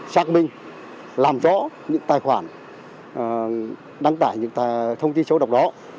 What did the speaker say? xác minh làm rõ những tài khoản đăng tải những thông tin xấu độc đó